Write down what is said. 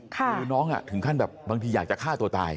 คือน้องถึงขั้นแบบบางทีอยากจะฆ่าตัวตาย